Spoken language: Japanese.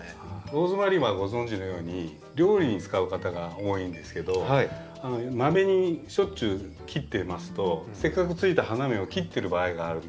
ローズマリーはご存じのように料理に使う方が多いんですけどマメにしょっちゅう切ってますとせっかくついたあなるほど。